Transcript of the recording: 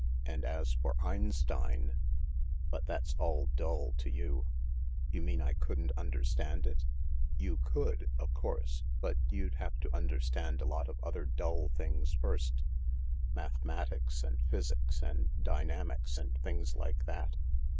And as for Einstein But that's all dull to you ..."" You mean I couldn't understand it ?" "You could, of course, but. you'd have to understand a lot of other dull things first — mathematics, and physics, and dynamics, and things like that."